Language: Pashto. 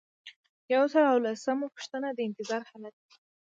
یو سل او لسمه پوښتنه د انتظار حالت دی.